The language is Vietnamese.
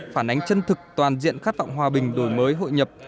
phản ánh chân thực toàn diện khát vọng hòa bình đổi mới hội nhập